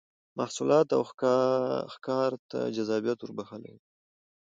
محصولاتو او ښکار ته جذابیت ور بخښلی و